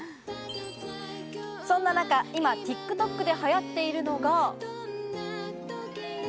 そんな中、今ＴｉｋＴｏｋで流行っているのが。